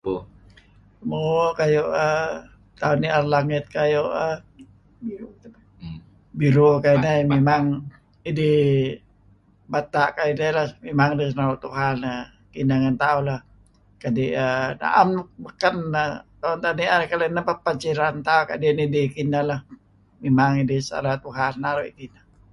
Mo.. kayu' err... tauh ni'er langit kayu' err...biru [prompting - bata'] kayu' ineh... mimang idih... bata' kayu' ineh leh. Mimang ineh senaru' Tuhan ineh ngen tauh lah. Kadi' na'em nuk beken ehh. Doo' tauh ni'er. Neh paad siren tauh lah. Kadi' nidih kineh leh. Mimang idih sarah Tuhan naru' idih.